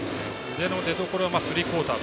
腕の出どころはスリークオーター。